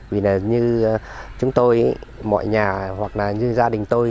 vì như chúng tôi mọi nhà hoặc như gia đình tôi